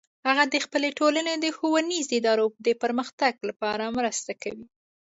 هغه د خپل ټولنې د ښوونیزو ادارو د پرمختګ لپاره مرسته کوي